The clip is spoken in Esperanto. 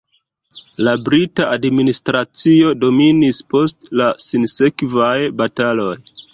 La brita administracio dominis post la sinsekvaj bataloj.